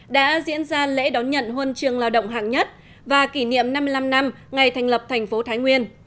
đã diễn ra lễ đón nhận huân trường lao động hạng nhất và kỷ niệm năm mươi năm năm ngày thành lập thành phố thái nguyên